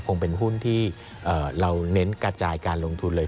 คงเป็นหุ้นที่เราเน้นกระจายการลงทุนเลย